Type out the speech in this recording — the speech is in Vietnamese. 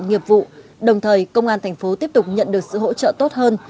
nghiệp vụ đồng thời công an thành phố tiếp tục nhận được sự hỗ trợ tốt hơn